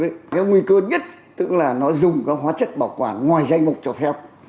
cái nguy cơ nhất tức là nó dùng các hóa chất bảo quản ngoài danh mục cho phép